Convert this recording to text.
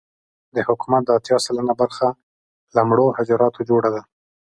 د حکومت دا اتيا سلنه برخه له مړو حجراتو جوړه وه.